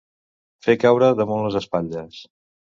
Fer caure damunt les espatlles.